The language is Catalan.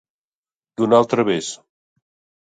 Donar al través.